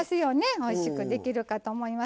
おいしくできるかと思います。